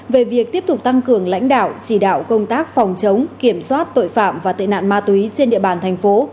về việc tiếp tục tăng cường lãnh đạo chỉ đạo công tác phòng chống kiểm soát tội phạm và tệ nạn ma túy trên địa bàn thành phố